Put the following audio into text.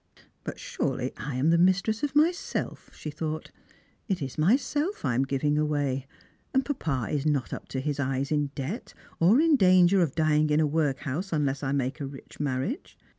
" But surely I am the mistress of myself," she thought. "It is myself I am giving away. And papa is not up to his eyes in debt, or ia danser of dying in a workhouse unless I make a rich 148 Strangers and Pilgrimt. marriage.